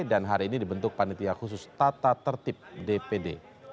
dan hari ini dibentuk panitia khusus tata tertib dpd